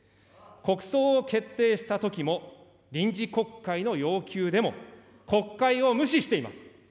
国葬を決定したときも、臨時国会の要求でも、国会を無視しています。